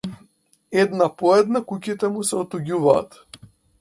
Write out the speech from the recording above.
Една по една куќите му се отуѓуваат.